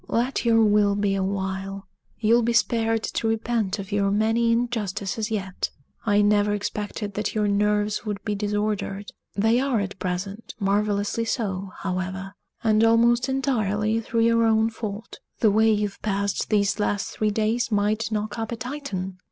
"Let your will be a while you'll be spared to repent of your many injustices yet! I never expected that your nerves would be disordered they are, at present, marvelously so, however; and almost entirely through your own fault. The way you've passed these last three days might knock up a Titan.